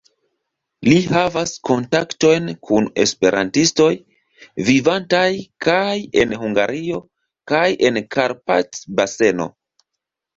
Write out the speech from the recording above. Li havas kontaktojn kun esperantistoj, vivantaj kaj en Hungario, kaj en Karpat-baseno.